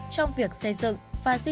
trong việc xây dựng và duy trì mật độ xương